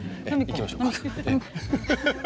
行きましょうか。